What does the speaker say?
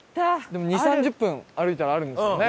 でも２０３０分歩いたらあるんですよね。